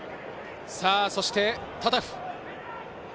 そしてタタフ。